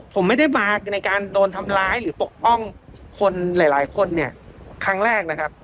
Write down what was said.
ผมไม่ได้มาในการโดนทำร้ายหรือปกป้องคนหลายหลายคนเนี่ยครั้งแรกนะครับ